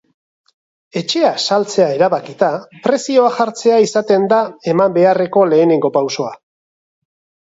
Etxea saltzea erabakita, prezioa jartzea izaten da eman beharreko lehenengo pausoa.